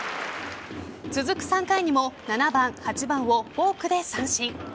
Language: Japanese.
続く３回にも７番、８番をフォークで三振。